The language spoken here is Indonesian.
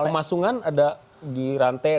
pemasungan ada di rantai